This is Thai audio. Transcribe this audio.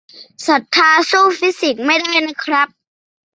ศรัทธาสู้ฟิสิกส์ไม่ได้นะครับ